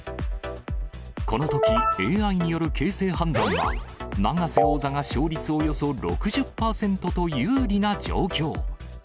このとき、ＡＩによる形勢判断は、永瀬王座が勝率およそ６０％と有利な状況。